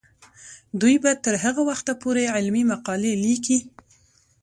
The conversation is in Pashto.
دوی به تر هغه وخته پورې علمي مقالې لیکي.